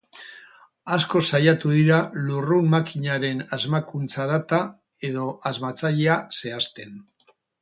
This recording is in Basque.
Asko saiatu dira lurrun-makinaren asmakuntza data edo asmatzailea zehazten.